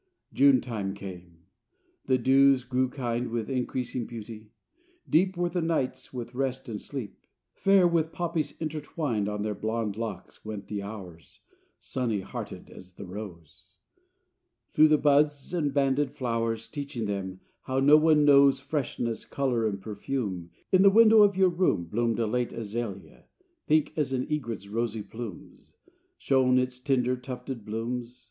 V Junetime came: the days grew kind With increasing beauty: deep Were the nights with rest and sleep: Fair, with poppies intertwined On their blond locks, went the Hours, Sunny hearted as the rose, Through the buds and banded flowers, Teaching them, how no one knows, Freshness, color, and perfume. In the window of your room Bloomed a late azalea. Pink As an egret's rosy plumes Shone its tender tufted blooms.